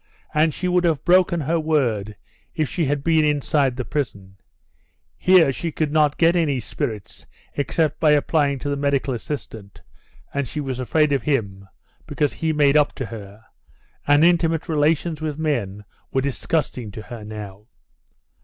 And she would have broken her word if she had been inside the prison. Here she could not get any spirits except by applying to the medical assistant, and she was afraid of him because he made up to her, and intimate relations with men were disgusting to her now.